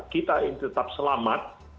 kita tetap selamat